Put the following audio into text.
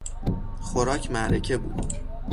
خوراک معرکه بود.